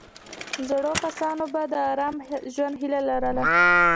زړو کسانو به د آرام ژوند هیله لرله.